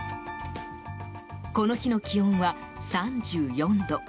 この日の気温は３４度。